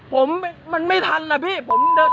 ผมไม่ทันอะพี่